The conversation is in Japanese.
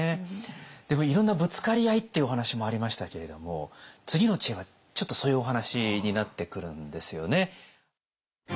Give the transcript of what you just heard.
でもいろんなぶつかり合いっていうお話もありましたけれども次の知恵はちょっとそういうお話になってくるんですよね。